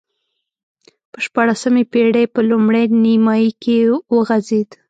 په شپاړسمې پېړۍ په لومړۍ نییمایي کې وغځېد.